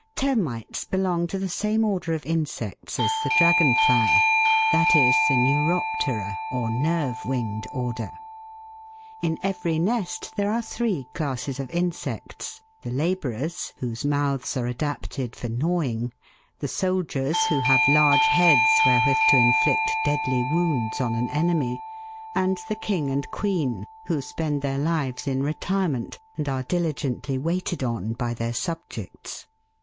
Termites belong to the same order of insects as the dragon fly, that is, the Neuroptera, or nerve winged order. In every nest there are three classes of insects the labourers (Fig. 39), whose mouths are adapted for gnawing ; 196 THE WORLD'S LUMBER ROOM. the soldiers, who have large heads wherewith to inflict deadly wounds on an enemy; and the king and queen, who spend their lives in retirement, and are diligently waited on by their subjects.